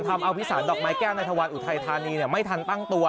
ทำเอาพิสารดอกไม้แก้วในทวันอุทัยธานีไม่ทันตั้งตัว